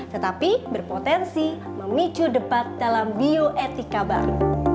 tetapi berpotensi memicu debat dalam bioetika baru